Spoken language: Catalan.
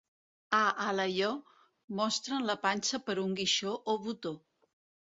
A Alaior, mostren la panxa per un guixó o botó.